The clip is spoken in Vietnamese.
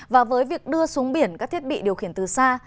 và với việc đưa xuống biển các thiết bị điều khiển từ xa